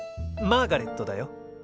「マーガレット」だよ。